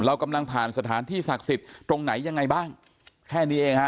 เรากำลังผ่านสถานที่ศักดิ์สิทธิ์ตรงไหนยังไงบ้างแค่นี้เองฮะ